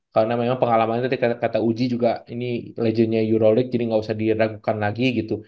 karena memang pengalaman tadi kata uji juga ini legend nya euroleague jadi nggak usah diragukan lagi gitu